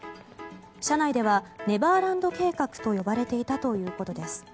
社内ではネバーランド計画と呼ばれていたということです。